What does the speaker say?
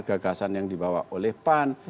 gagasan yang dibawa oleh pan